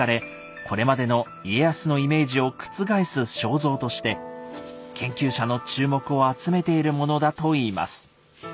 これまでの家康のイメージを覆す肖像として研究者の注目を集めているものだといいます。